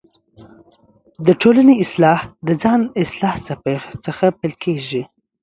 دټولنۍ اصلاح دځان څخه پیل کیږې